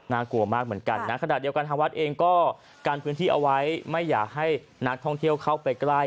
กลัวมากเหมือนกันนะขณะเดียวกันทางวัดเองก็กันพื้นที่เอาไว้ไม่อยากให้นักท่องเที่ยวเข้าไปใกล้